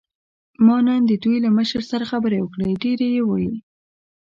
ما نن د دوی له مشر سره خبرې وکړې، ډېرې یې وې.